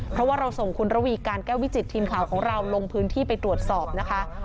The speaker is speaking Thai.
เพราะว่าเราส่งคุณระวีการแก้ววิจิตทีมข่าวของเราลงพื้นที่ไปตรวจสอบนะคะ